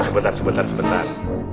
sebentar sebentar sebentar